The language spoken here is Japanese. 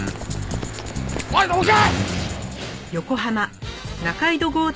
おいどけ！